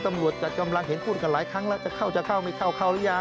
ผมก็อยากจัดรายการข่าวผมอยากวิเคราะห์ข่าว